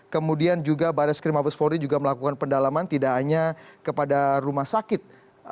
kemudian juga barat skirmabespori juga melakukan pendalaman tidak hanya kepada rumah sakit